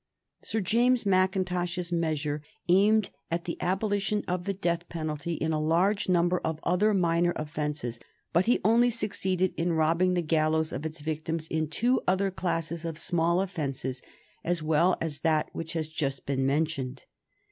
Sir James Mackintosh's measure aimed at the abolition of the death penalty in a large number of other minor offences, but he only succeeded in robbing the gallows of its victims in two other classes of small offences as well as that which has just been mentioned.